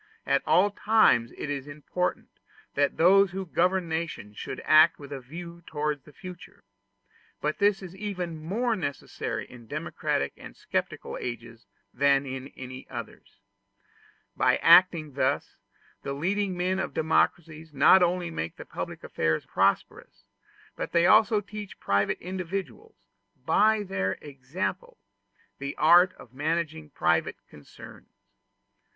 At all times it is important that those who govern nations should act with a view to the future: but this is even more necessary in democratic and sceptical ages than in any others. By acting thus, the leading men of democracies not only make public affairs prosperous, but they also teach private individuals, by their example, the art of managing private concerns.